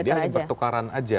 dia bertukaran aja